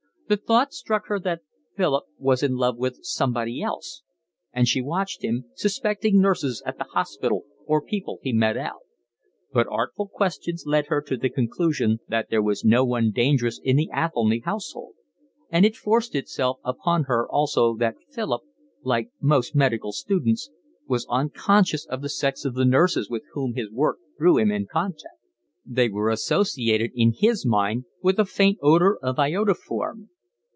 The thought struck her that Philip was in love with somebody else, and she watched him, suspecting nurses at the hospital or people he met out; but artful questions led her to the conclusion that there was no one dangerous in the Athelny household; and it forced itself upon her also that Philip, like most medical students, was unconscious of the sex of the nurses with whom his work threw him in contact. They were associated in his mind with a faint odour of iodoform.